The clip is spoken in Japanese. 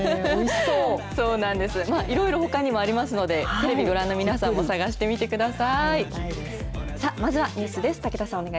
そうなんです、いろいろほかにもありますので、テレビご覧の皆さんも、探してみてください。